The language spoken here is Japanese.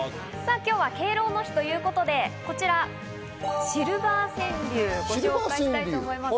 今日は敬老の日ということでこちら、シルバー川柳、ご紹介したいと思います。